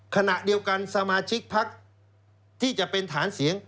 ขณะเดียวกันสมาชิกพักที่จะเป็นฐานเสียง